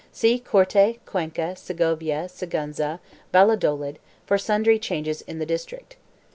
See CORTE, CUENCA, SEGOVIA, SIGUENZA, VALLA DOLID for sundry changes in its district.